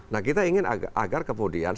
nah kita ingin agar kemudian